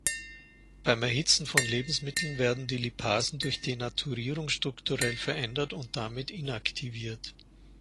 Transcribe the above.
Beim Erhitzen von Lebensmitteln werden die Lipasen durch Denaturierung strukturell verändert und damit inaktiviert.